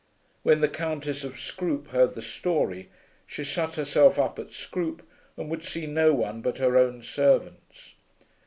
When the Countess of Scroope heard the story, she shut herself up at Scroope and would see no one but her own servants.